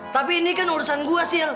tapi ini kan urusan gue sil